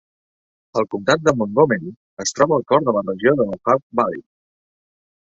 El comtat de Montgomery es troba al cor de la regió de Mohawk Valley.